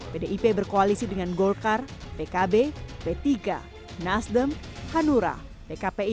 pdip berkoalisi dengan golkar pkb p tiga nasdem hanura pkpi